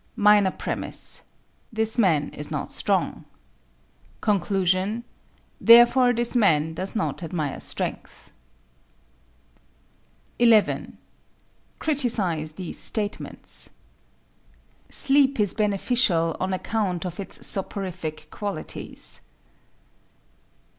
MINOR PREMISE: This man is not strong. CONCLUSION: Therefore this man does not admire strength. 11. Criticise these statements: Sleep is beneficial on account of its soporific qualities.